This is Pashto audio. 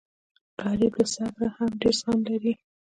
غریب له صبره هم ډېر زغم لري